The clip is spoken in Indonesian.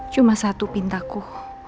cuma satu pintaku